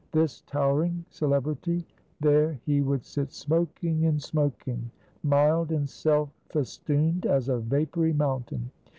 this towering celebrity there he would sit smoking, and smoking, mild and self festooned as a vapory mountain.